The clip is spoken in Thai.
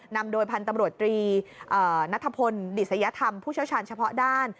นำโดยพันธุ์ตำรวจตรีนัทพลดิษยธรรมผู้เชี่ยวชาญเฉพาะด้าน